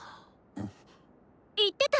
言ってた！